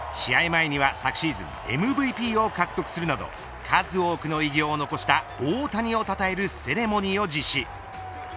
前には昨シーズンＭＶＰを獲得するなど数多くの偉業を残した大谷をたたえるセレモニーを実施。